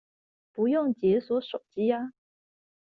不用解鎖手機啊